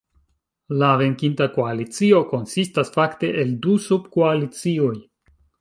La venkinta koalicio konsistas fakte el du subkoalicioj.